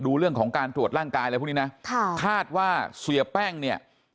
ดูเรื่องของการตรวจร่างกายอะไรพวกนี้นะค่ะคาดว่าเสียแป้งเนี่ย